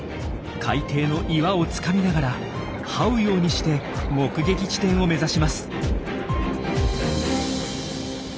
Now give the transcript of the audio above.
海底の岩をつかみながらはうようにして目撃地点を目指します。